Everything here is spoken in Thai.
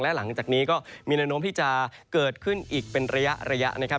และหลังจากนี้ก็มีแนวโน้มที่จะเกิดขึ้นอีกเป็นระยะนะครับ